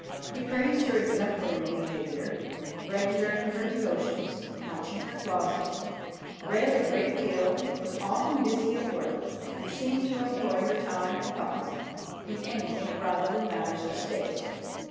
He praises her exemplary behaviour; "regular in her devotions, much in her closet, read a great deal, was often busy at work, and seemed to employ her time and thoughts in anything rather than matters of state.